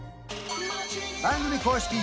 番組公式